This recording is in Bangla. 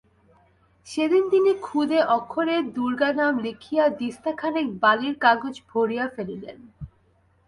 সেদিন তিনি খুদে অক্ষরে দুর্গানাম লিখিয়া দিস্তাখানেক বালির কাগজ ভরিয়া ফেলিলেন।